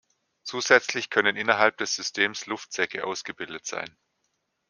Zusätzlich können innerhalb des Systems Luftsäcke ausgebildet sein.